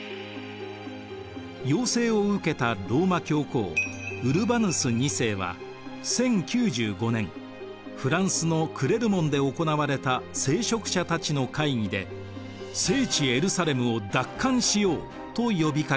要請を受けたローマ教皇ウルバヌス２世は１０９５年フランスのクレルモンで行われた聖職者たちの会議で「聖地エルサレムを奪還しよう！」と呼びかけました。